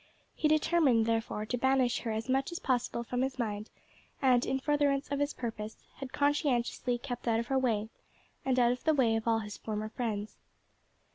He determined, therefore, to banish her as much as possible from his mind, and, in furtherance of his purpose, had conscientiously kept out of her way and out of the way of all his former friends.